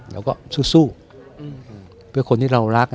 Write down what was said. เราก็สู้เพื่อคนที่เรารัก